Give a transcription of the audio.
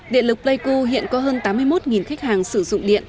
điện lực pleiku hiện có hơn tám mươi một khách hàng sử dụng điện